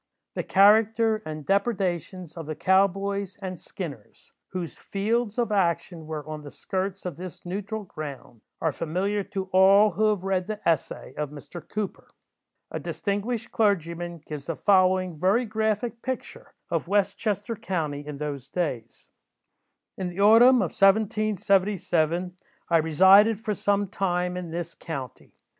The character and depredations of the "cow boys" and "skinners," whose fields of action were on the skirts of this neutral ground, are familiar to all who have read "the Essay" of Mr. Cooper. A distinguished clergyman gives the following very graphic picture of West Chester county in those days:— "In the autumn of 1777, I resided for some time in this county.